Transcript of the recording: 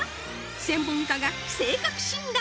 専門家が性格診断